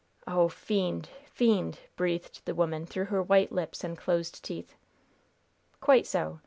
"Oh! fiend! fiend!" breathed the woman through her white lips and closed teeth. "Quite so.